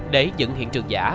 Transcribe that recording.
để dựng hiện trường giả